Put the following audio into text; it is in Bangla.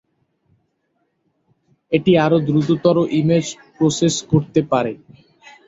এটি আরো দ্রুততর ইমেজ প্রসেস করতে পারে।